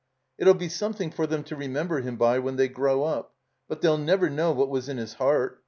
"It 'U be something for them to remember him by when they grow up. But they'll never know what was in his heart.